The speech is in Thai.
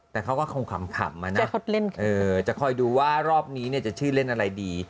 แต่เขาก็คงขำนะครับเออจะค่อยดูว่ารอบนี้จะชื่อเล่นอะไรดี